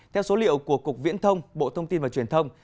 theo số liệu của cục viễn thông bộ thông tin và truyền thông